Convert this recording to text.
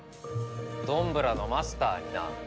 どんぶらのマスターにな。